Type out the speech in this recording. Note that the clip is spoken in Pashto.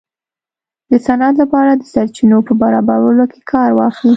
د صنعت لپاره د سرچینو په برابرولو کې کار واخیست.